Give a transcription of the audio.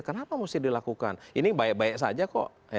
kenapa mesti dilakukan ini baik baik saja kok